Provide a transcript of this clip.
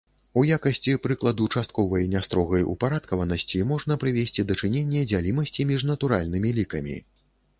У якасці прыкладу частковай нястрогай упарадкаванасці можна прывесці дачыненне дзялімасці між натуральнымі лікамі.